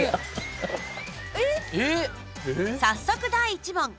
早速、第１問！